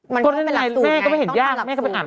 มันก็ไม่ได้รับสูตรไงต้องการรับสูตร